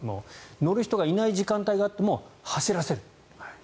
乗る人がいない時間帯があっても走らせる。